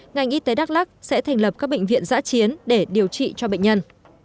ngành y tế đắk lắc sẽ thành lập các bệnh viện giã chiến để điều trị cho bệnh nhân